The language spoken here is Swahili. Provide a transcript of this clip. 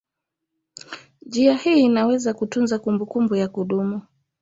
Njia hii inaweza kutunza kumbukumbu ya kudumu.